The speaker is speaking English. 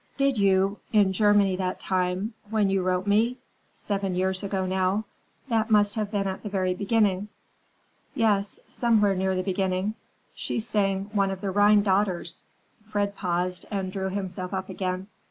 "Did you, in Germany that time, when you wrote me? Seven years ago, now. That must have been at the very beginning." "Yes, somewhere near the beginning. She sang one of the Rhine daughters." Fred paused and drew himself up again.